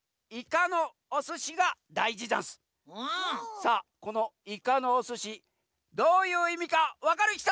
さあこの「いかのおすし」どういういみかわかるひと？